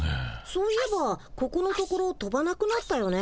そういえばここのところ飛ばなくなったよね。